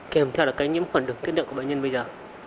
kèm theo là cái nhiễm khuẩn được thiết định của bệnh nhân bây giờ